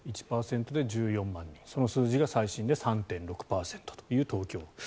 １％で１４万人その数字が最新で３．６％という東京。